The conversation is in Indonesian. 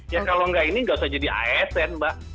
ya kalau enggak ini enggak usah jadi asn mbak